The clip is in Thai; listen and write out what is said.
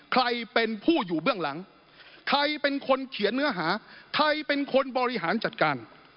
ใครเป็นผู้อยู่เบื้องหลังใครเป็นคนเขียนเนื้อหาใครเป็นคนบริหารจัดการ